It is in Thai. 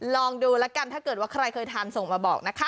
ลองดูแล้วกันถ้าเกิดว่าใครเคยทานส่งมาบอกนะคะ